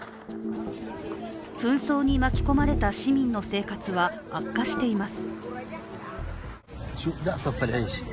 紛争に巻き込まれた市民の生活は悪化しています。